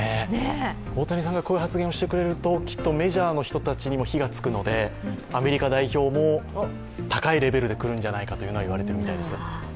大谷さんがこういう発言をしてくれると、きっとメジャーの人たちにも火が付くので、アメリカ代表も高いレベルで来るんじゃないかと言われてるみたいです。